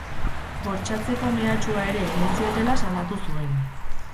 Bortxatzeko mehatxua ere egin ziotela salatu zuen.